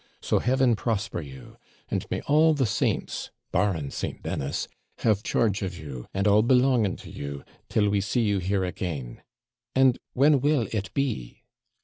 So Heaven prosper you! And may all the saints (BARRING St. Dennis) have charge of you, and all belonging to you, till we see you here again! And when will it be?'